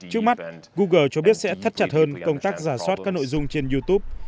trước mắt google cho biết sẽ thắt chặt hơn công tác giả soát các nội dung trên youtube